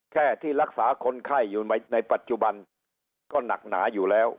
แค่ที่รักษาคนไข้อยู่ในปัจจุบันก็หนักหนาอยู่แล้ว